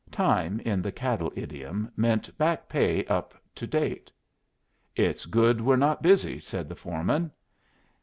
Time, in the cattle idiom, meant back pay up to date. "It's good we're not busy," said the foreman.